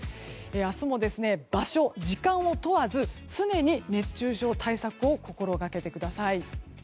明日も場所、時間を問わず常に熱中症対策を心がけてください。